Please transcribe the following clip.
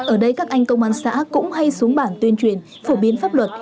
ở đây các anh công an xã cũng hay xuống bản tuyên truyền phổ biến pháp luật